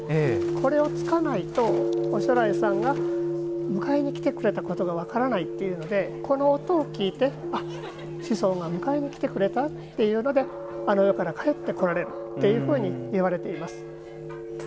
これをつかないとおしょらいさんが迎えに来てくれたことが分からないということでこの音を聞いて、子孫が迎えに来てくれたっていうのであの世から帰ってこられるというふうにいわれています。